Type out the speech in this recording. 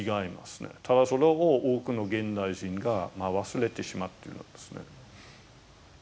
ただそれを多くの現代人が忘れてしまっているんですね。